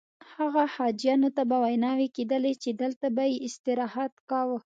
هغه حاجیانو ته به ویناوې کېدلې چې دلته به یې استراحت کاوه.